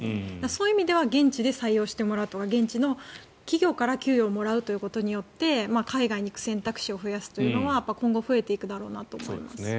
そういう意味では現地で採用してもらうとか現地の企業から給与をもらうということによって海外に行く選択肢を増やすというのは今後、増えていくだろうなと思います。